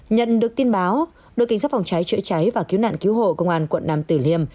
nhận được tin báo đội kinh sát phòng cháy trợ cháy và cứu nạn cứu hộ công an quận năm tử liêm